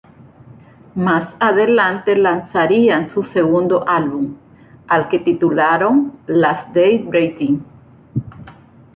Más adelante lanzarían su segundo álbum, al que titularon "Last Day Breathing".